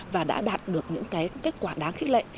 và đã đạt được những cái kết quả đáng khích lệ